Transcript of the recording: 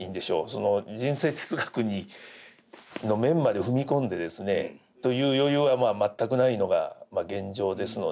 その人生哲学の面まで踏み込んでですねという余裕は全くないのが現状ですのでその辺りはですね